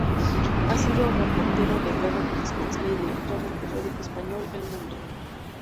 Ha sido reportero de guerra, corresponsal y director del periódico español "El Mundo".